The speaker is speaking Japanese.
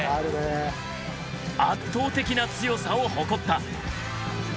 圧倒的な強さを誇った。